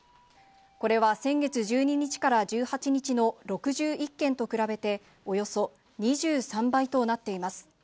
これは先月１２日から１８日の６１件と比べて、およそ２３倍となっています。